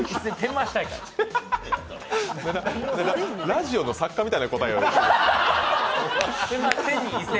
ラジオの作家みたいな答えやん。